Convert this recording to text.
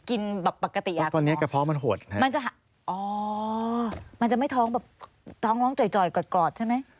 กินแบบปกติอ่ะมันจะอ๋อมันจะไม่ท้องแบบท้องร้องจ่อยกรอดใช่ไหม